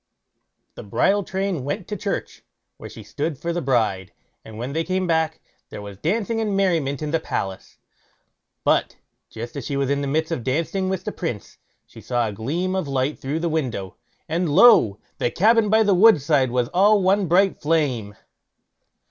The bridal train went to church, where she stood for the bride, and when they came back, there was dancing and merriment in the palace. But just as she was in the midst of dancing with the Prince, she saw a gleam of light through the window, and lo! the cabin by the wood side was all one bright flame.